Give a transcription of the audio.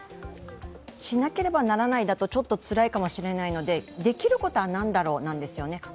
しなければならないだとちょっとつらいかもしれないので、できることは何だろう、なんですよね。